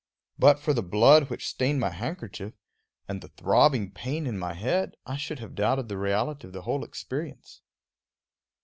But for the blood which stained my handkerchief, and the throbbing pain in my head, I should have doubted the reality of the whole experience.